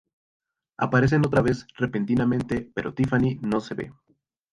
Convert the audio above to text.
Aparecen otra vez repentinamente pero Tiffany no se ve.